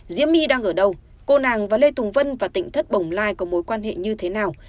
di my đang ở đâu cô nàng và lê tùng vân và tỉnh thất bồng lai có mối quan hệ như thế nào